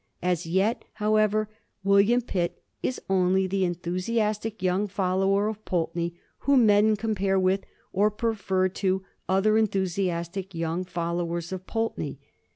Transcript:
As yet, however, William Pitt is only the enthusiastic young follower of Pulteney, whom men compare with, or prefer to, other enthusiastic young followers of Pulteney.